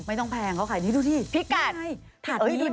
ไม่ต้องแพงก่อนพี่กัท